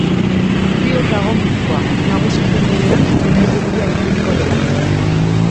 Ziur dago mutikoa, nagusitzen denean, mendeku bila itzuliko dela.